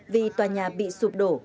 vì tòa nhà bị sụp đổ